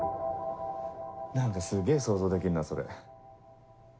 何かすげぇ想像できるなそれ。